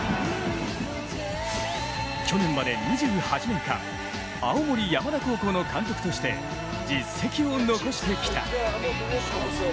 去年まで２８年間、青森山田高校の監督として実績を残してきた。